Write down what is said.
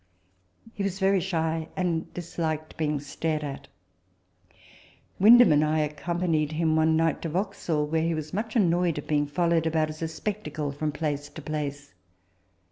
He was very shy, and disliked being stared at. Windham and I accompanied him one night to Vauxhall, where he was much annoyed at being followed about, as a spectacle, from place to place.